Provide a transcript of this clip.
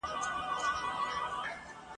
ګړندي مي دي ګامونه، زه سرلارې د کاروان یم ..